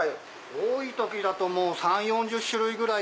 多い時だと３０４０種類ぐらい。